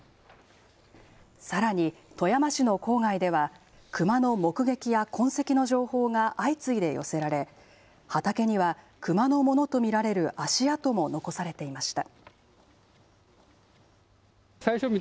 さらに、富山市の郊外では、クマの目撃や痕跡の情報が相次いで寄せられ、畑にはクマのものと見られる足跡も残されていました。